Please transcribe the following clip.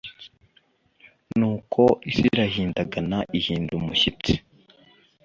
Nuko isi irahindagana ihinda umushyitsi